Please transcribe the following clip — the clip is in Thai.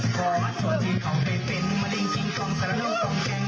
เพราะว่าส่วนที่ของเพศเป็นมันยังจริงกองแต่ละน้องกองแกง